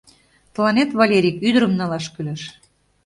Тыланет, Валерик, ӱдырым налаш кӱлеш.